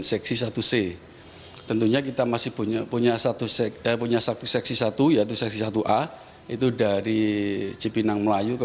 seksi satu c tentunya kita masih punya punya satu sek punya seksi satu yaitu seksi satu a itu dari cipinang melayu ke